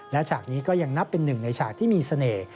และฉากนี้ก็ยังนับเป็นหนึ่งในฉากที่มีเสน่ห์